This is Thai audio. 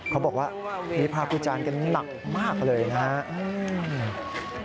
เขาบอกว่านิพาปุจารก็หนักมากเลยนะครับ